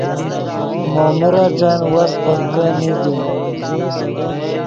مو میرݯن وس پنکے نیگے